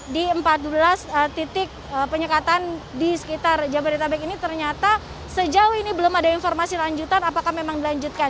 di empat belas titik penyekatan di sekitar jabodetabek ini ternyata sejauh ini belum ada informasi lanjutan apakah memang dilanjutkan